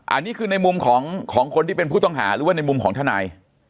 อันนี้คือในมุมของคนที่เป็นผู้ต้องหาหรือว่าในมุมของทนาย